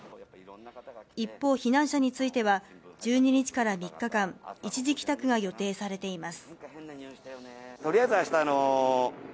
一方、避難者については１２日から３日間、一時帰宅が予定されています。